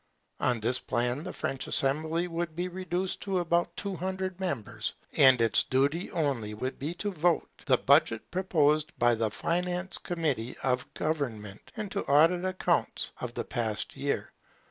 On this plan the French assembly would be reduced to about two hundred members; and its duty only would be to vote the budget proposed by the finance committee of government, and to audit the accounts of the past year.